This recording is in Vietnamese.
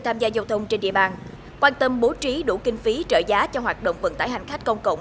tham gia giao thông trên địa bàn quan tâm bố trí đủ kinh phí trợ giá cho hoạt động vận tải hành khách công cộng